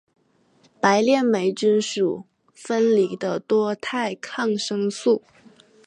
自链霉菌属分离的多肽抗生素。